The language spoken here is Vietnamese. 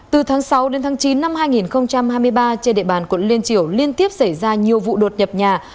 từ tháng sáu đến tháng chín năm hai nghìn hai mươi ba trên địa bàn quận liên triều liên tiếp xảy ra nhiều vụ đột nhập nhà